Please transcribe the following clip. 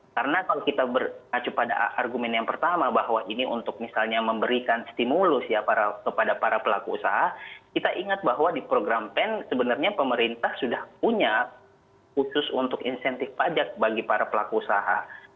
karena kalau kita berkacu pada argumen yang pertama bahwa ini untuk misalnya memberikan stimulus ya kepada para pelaku usaha kita ingat bahwa di program pen sebenarnya pemerintah sudah punya khusus untuk insentif pajak bagi para pelaku usaha